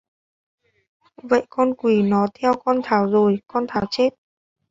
Vậy con quỷ nó theo con Thảo rồi con Thảo chết